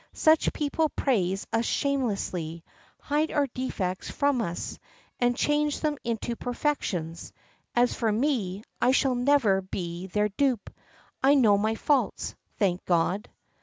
Such people praise us shamelessly, hide our defects from us, and change them into perfections: as for me, I shall never be their dupe I know my faults, thank God."